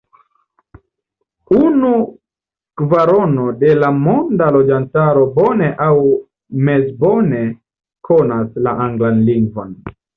Unu kvarono de la monda loĝantaro bone aŭ mezbone konas la anglan lingvon.